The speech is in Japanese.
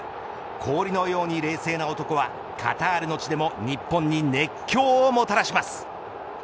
氷のように冷静な男はカタールの地でも日本に熱狂をもたらします。